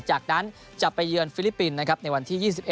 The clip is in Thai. จากนั้นจะไปเยือนฟิลิปปินส์นะครับในวันที่๒๑